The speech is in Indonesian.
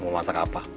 mau masak apa